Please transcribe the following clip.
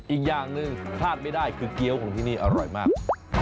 อีกอย่างหนึ่งพลาดไม่ได้คือเกี้ยวของที่นี่อร่อยมาก